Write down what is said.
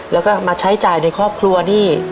แล้วก็มาใช้จ่ายในครอบครัวนี่